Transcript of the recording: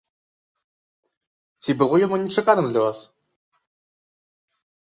Ці было яно нечаканым для вас?